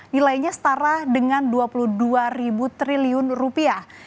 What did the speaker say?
nilainya setara dengan dua puluh dua ribu triliun rupiah